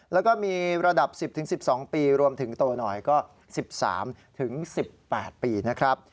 แล้วก็มีระดับ๑๐๑๒ปีรวมถึงโตหน่อยก็๑๓๑๘ปีนะครับ